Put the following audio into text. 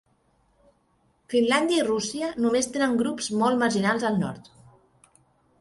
Finlàndia i Rússia només tenen grups molt marginals al nord.